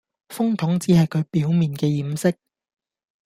風筒只係佢表面嘅掩飾